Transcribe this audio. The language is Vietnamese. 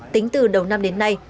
tính từ đầu năm đến nay